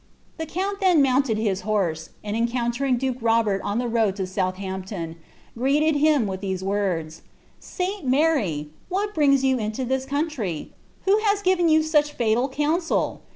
The count then mounted his horse, and encountering duke Robert «n the road to Southampton, greeted him with these words: '^St.Maiy! what brings you into this country f Who has eiven you such Ciial counsel?